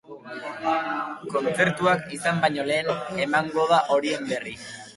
Kontzertuak izan baino lehen emango da horien berri.